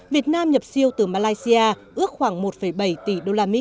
việt nam nhập siêu từ malaysia ước khoảng một bảy tỷ usd